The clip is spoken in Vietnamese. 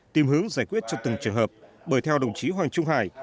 tìm hướng giải quyết cho từng trường hợp bởi theo đồng chí hoàng trung hải